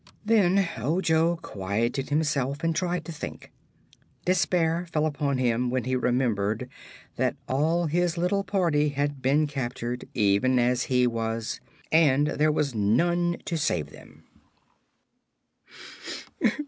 Then Ojo quieted himself and tried to think. Despair fell upon him when he remembered that all his little party had been captured, even as he was, and there was none to save them.